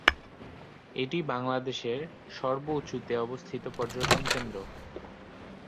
এটি বাংলাদেশের সর্ব উঁচুতে অবস্থিত পর্যটন কেন্দ্র।